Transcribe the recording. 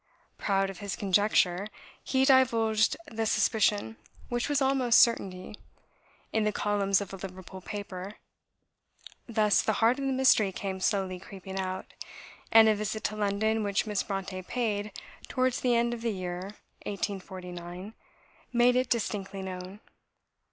Proud of his conjecture, he divulged the suspicion (which was almost certainty) in the columns of a Liverpool paper; thus the heart of the mystery came slowly creeping out; and a visit to London, which Miss Brontë paid towards the end of the year 1849, made it distinctly known.